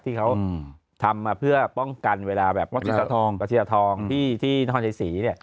ที่เขาทำมาเพื่อป้องกันเวลาแบบประชิตทองที่ท่อนชัยศรี